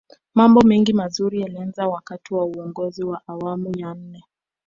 mambo mengi mazuri yalianza wakati wa uongozi wa awamu ya nne